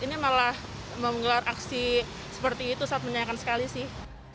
ini malah menggelar aksi seperti itu sangat menyayangkan sekali sih